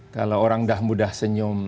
kalau orang sudah mudah senyum